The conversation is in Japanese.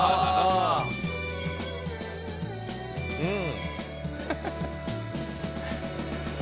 うん。